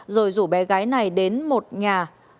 rồi rủ bé gái này đến một nhà